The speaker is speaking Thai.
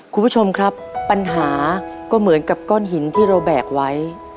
คุณผู้ชมครับปัญหาก็เหมือนกับก้อนหินที่เราแบกไว้